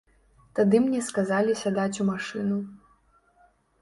Тады мне сказалі сядаць у машыну.